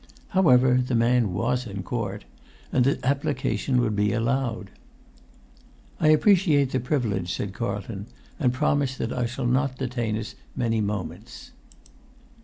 However, the man was in court, and the application would be allowed. "I appreciate the privilege," said Carlton, "and promise that it shall not detain us many moments."